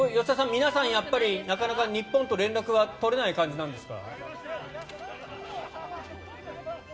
皆さんやっぱりなかなか日本と連絡は取れない感じなんですか？